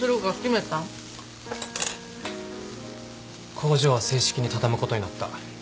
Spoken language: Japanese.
工場は正式に畳むことになった。